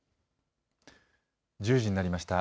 １０時になりました。